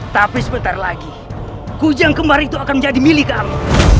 tapi sebentar lagi kucing kembar itu akan menjadi milik kami